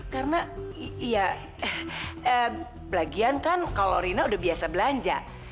karena ya pelagiankan kalau rina udah biasa belanja